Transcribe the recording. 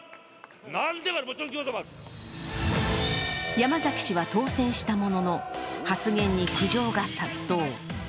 山崎氏は当選したものの発言に苦情が殺到。